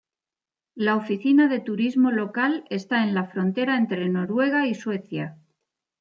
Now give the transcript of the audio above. La oficina de turismo local esta en la frontera entre Noruega y Suecia.